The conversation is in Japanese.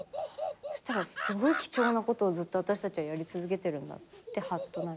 そしたらすごい貴重なことをずっと私たちはやり続けてるんだってハッとなるときが。